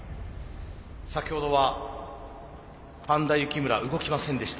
先ほどはぱんだ幸村動きませんでした。